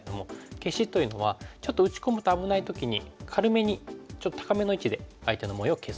消しというのはちょっと打ち込むと危ない時に軽めにちょっと高めの位置で相手の模様を消す打ち方ですね。